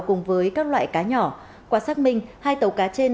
cùng với các loại cá nhỏ qua xác minh hai tàu cá trên